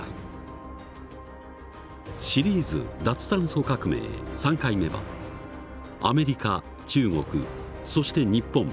シリーズ「脱炭素革命」３回目はアメリカ中国そして日本。